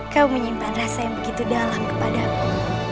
kau menyimpan rasa yang begitu dalam kepadamu